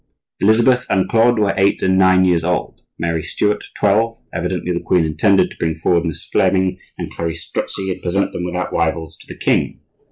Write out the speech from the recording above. Elizabeth and Claude were eight and nine years old, Mary Stuart twelve; evidently the queen intended to bring forward Miss Fleming and Clarice Strozzi and present them without rivals to the king.